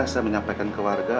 saya menyampaikan ke warga